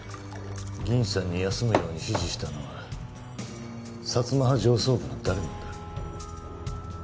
銀さんに休むように指示したのは薩摩派上層部の誰なんだ？